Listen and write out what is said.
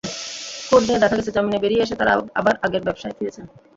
খোঁজ নিয়ে দেখা গেছে, জামিনে বেরিয়ে এসে তাঁরা আবার আগের ব্যবসায় ফিরেছেন।